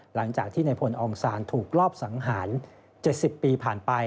หลังจากที่ในพลองศาลถูกรอบสังหาร๗๐ปีผ่านไป